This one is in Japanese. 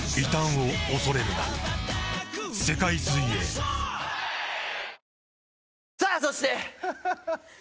はぁさあそして。